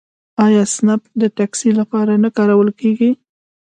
آیا اسنپ د ټکسي لپاره نه کارول کیږي؟